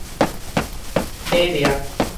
猛掠